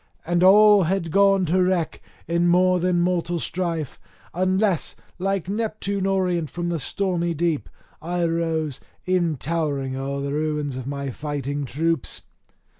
And all had gone to wreck in more than mortal strife, unless, like Neptune orient from the stormy deep, I rose, e'en towering o'er the ruins of my fighting troops.